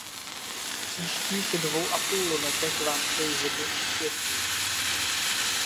V příštích dvou a půl letech vám přeji hodně úspěchů.